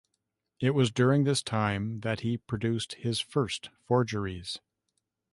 It was during this time that he produced his first forgeries.